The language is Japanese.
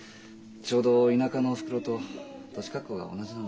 ちょうど田舎のおふくろと年格好が同じなんです。